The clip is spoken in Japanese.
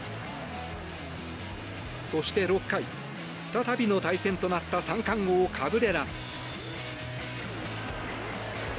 そして６回、再びの対戦となった三冠王、カブレラ。